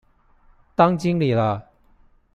當經理了